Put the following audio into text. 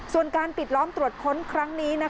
ส่วนการปิดล้อมตรวจค้นครั้งนี้